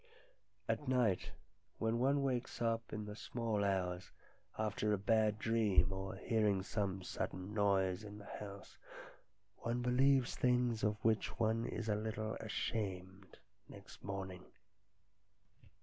"At night, when one wakes up in the small hours, after a bad dream or hearing some sudden LINDA 287 noise in the house, one believes things of which one is a little ashamed next morning."